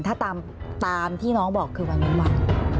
ถ้าตามที่น้องบอกคือวันเว้นวัน